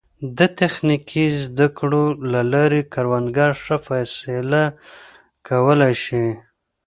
د تخنیکي زده کړو له لارې کروندګر ښه فیصله کولی شي.